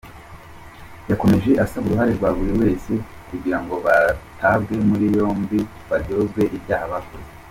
Yakomeje asaba uruhare rwa buri wese kugirango batabwe muri yombi baryozwe ibyaha bakoze.